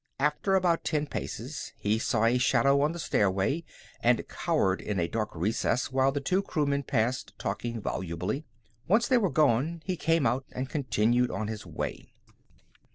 After about ten paces, he saw a shadow on the stairway, and cowered in a dark recess while two crewmen passed, talking volubly. Once they were gone, he came out and continued on his way.